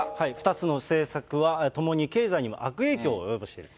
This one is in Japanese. ２つの政策は、共に経済にも悪影響を及ぼしている。